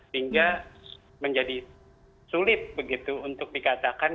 sehingga menjadi sulit begitu untuk dikatakan